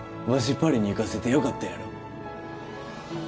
パリに行かせてよかったやろ？